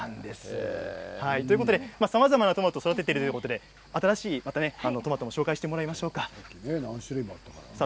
さまざまなトマトを育てているんですが新しいトマトも紹介してもらいましょう。